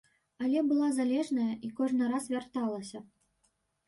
Але была залежная і кожны раз вярталася.